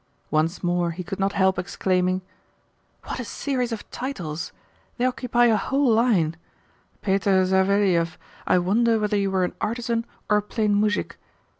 Once more he could not help exclaiming: "What a series of titles! They occupy a whole line! Peter Saveliev, I wonder whether you were an artisan or a plain muzhik.